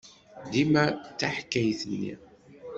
Dima d taḥkayt-nni.